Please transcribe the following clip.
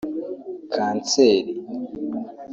Kanseri